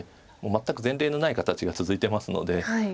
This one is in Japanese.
全く前例のない形が続いてますので。